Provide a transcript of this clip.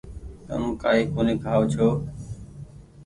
تم ڪآئي ڪونيٚ کآئو ڇو۔